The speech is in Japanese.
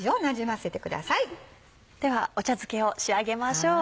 ではお茶漬けを仕上げましょう。